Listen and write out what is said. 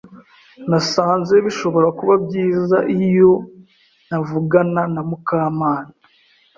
Nasanze bishobora kuba byiza iyo ntavugana na Mukamana.